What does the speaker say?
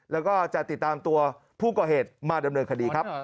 แล้วก็จะติดตามตัวผู้ก่อเหตุมาดำเนินคดีครับ